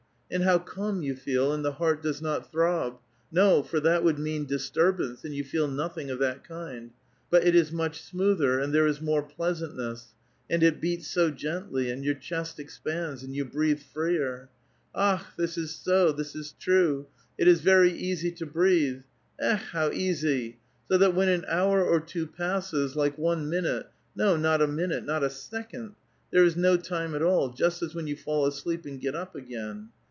And how calm ^ou feel ; and the heart does not throb, — no, for that would mean disturbance, and you feel nothing of that kind, — but it is much smoother, and there is more pleasantness ; and it l)eats so gently, and your chest expands and you breathe freer ! Akh 1 this is so, this is true ; it is very easy to breathe ! <ikh ! how easy ! So that when an hour or two passes, like one minute, — no, not a minute, not a second, — there is no lime at all, just as when 3'ou fall asleep and get up again.